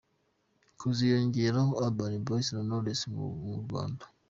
Haziyongeraho Urban Boyz na Knowless bo mu Rwanda.